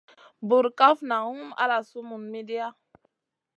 Burkaf nang hum ala sumun midia.